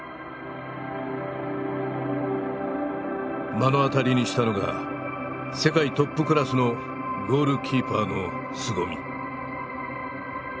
目の当たりにしたのが世界トップクラスのゴールキーパーのすごみ。